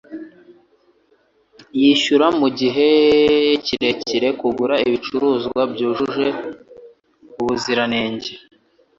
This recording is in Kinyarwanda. Yishyura mugihe kirekire kugura ibicuruzwa byujuje ubuziranenge